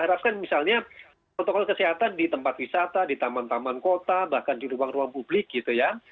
harapkan misalnya protokol kesehatan di tempat wisata di taman taman kota bahkan di ruang ruang publik gitu ya